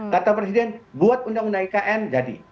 kata presiden buat undang undang ikn jadi